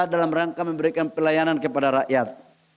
dalam rangka memberikan pelayanan kepada rakyat